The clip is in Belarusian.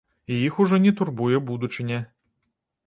І іх ужо не турбуе будучыня.